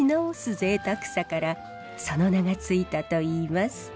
ぜいたくさからその名が付いたといいます。